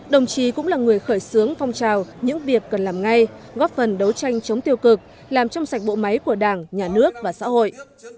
đồng chí cũng là người khởi xướng phong trào những việc cần làm ngay góp phần đấu tranh chống tiêu cực làm trong sạch bộ máy của đảng nhà nước và xã hội